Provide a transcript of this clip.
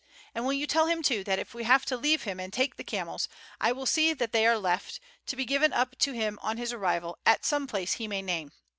And will you tell him too that if we have to leave him and take the camels, I will see that they are left, to be given up to him on his arrival, at some place he may name.